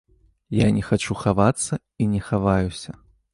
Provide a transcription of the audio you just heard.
Я не хачу хавацца і не хаваюся.